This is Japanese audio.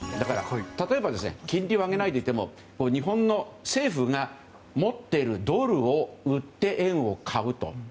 例えば金利を上げないでいても日本の政府が持っているドルを売って円を買うと。